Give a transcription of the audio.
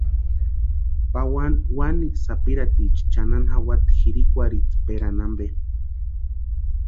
Pawani wani sapirhatiecha chʼanani jawati jirikwarhitsperani ampe.